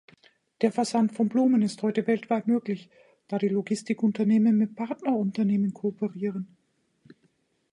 Der Versand von Blumen ist heute weltweit möglich, da die Logistikunternehmen mit Partnerunternehmen kooperieren.